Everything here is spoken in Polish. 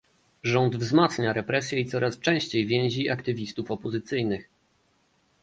Rząd wzmacnia represje i coraz częściej więzi aktywistów opozycyjnych